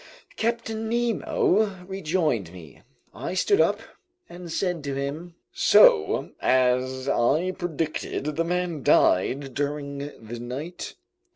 Captain Nemo rejoined me. I stood up and said to him: "So, as I predicted, that man died during the night?"